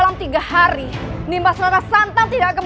menggunakan hukuman putrage